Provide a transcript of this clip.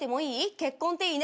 「結婚っていいね」